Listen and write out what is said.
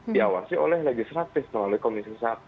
diawasi oleh legislatif melalui komisi satu